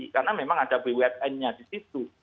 karena memang ada bwn nya di situ